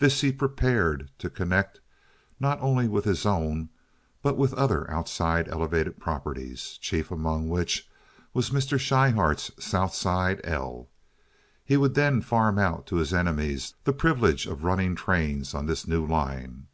This he prepared to connect not only with his own, but with other outside elevated properties, chief among which was Mr. Schryhart's South Side "L." He would then farm out to his enemies the privilege of running trains on this new line.